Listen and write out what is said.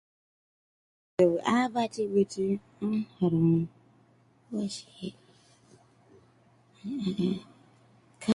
The fruit is called a "nabk".